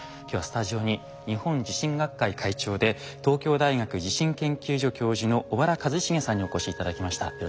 今日はスタジオに日本地震学会会長で東京大学地震研究所教授の小原一成さんにお越し頂きました。